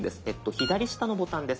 左下のボタンです。